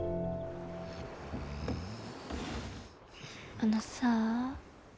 あのさあ。